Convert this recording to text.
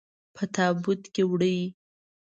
په تابوت کې وړئ.